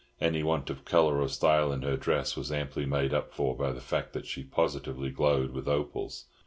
Any want of colour or style in her dress was amply made up for by the fact that she positively glowed with opals.